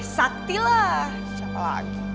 sakti lah siapa lagi